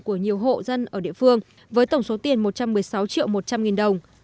của nhiều hộ dân ở địa phương với tổng số tiền một trăm một mươi sáu triệu một trăm linh nghìn đồng